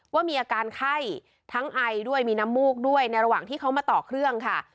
ว่ามีอาการไข้ทั้งไอด้วยมีน้ำมูกด้วยในระหว่างที่เขามาต่อเครื่องค่ะ